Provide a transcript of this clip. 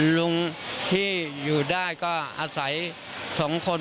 ลุงที่อยู่ได้ก็อาศัย๒คน